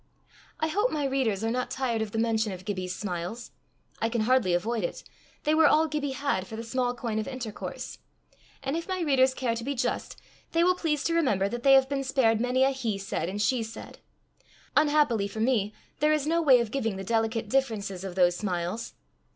I hope my readers are not tired of the mention of Gibbie's smiles: I can hardly avoid it; they were all Gibbie had for the small coin of intercourse; and if my readers care to be just, they will please to remember that they have been spared many a he said and she said. Unhappily for me there is no way of giving the delicate differences of those smiles.